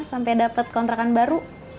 sampe dapet kontrakan baru